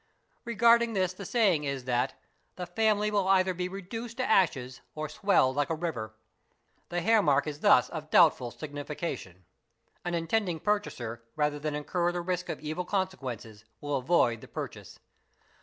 Regarding this the saying is that—'"' the family | will either be reduced to ashes or swell like a river'. The hairmark is thus of doubtful signification. An intending purchaser rather than incur the risk of evil consequences will avoid the purchase.